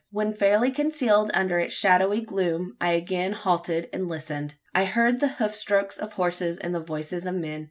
When fairly concealed under its shadowy gloom, I again halted and listened. I heard the hoof strokes of horses and the voices of men.